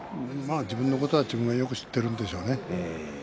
自分のことは自分がよく知っているんでしょうね。